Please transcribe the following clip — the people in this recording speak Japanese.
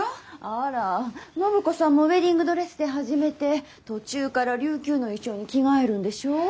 あら暢子さんもウエディングドレスで始めて途中から琉球の衣装に着替えるんでしょう？